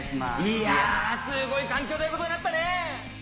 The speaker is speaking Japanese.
いやすごい環境でやることになったね！